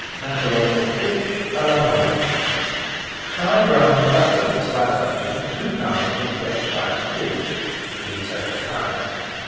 MATELOTE OF FISH À LA NORMANDY Fry brown in butter with sliced onions two pounds of fresh sliced fish, using several kinds.